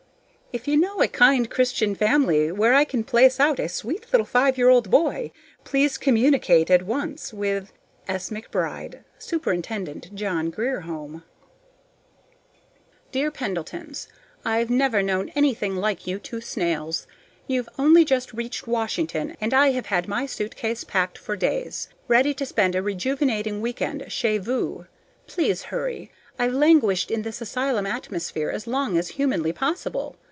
If you know a kind Christian family where I can place out a sweet little five year boy, please communicate at once with S. McBRIDE, Sup't John Grier Home. Dear Pendletons: I've never known anything like you two snails. You've only just reached Washington, and I have had my suitcase packed for days, ready to spend a rejuvenating week end CHEZ VOUS. Please hurry! I've languished in this asylum atmosphere as long as humanely possible.